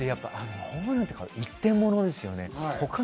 ホームランとか一点物ですよね。